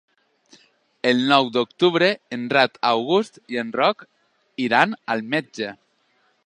El nou d'octubre en Renat August i en Roc iran al metge.